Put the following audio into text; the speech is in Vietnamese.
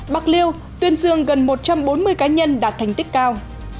bạc liêu tuyên dương gần một trăm bốn mươi cá nhân đạt thành tích cao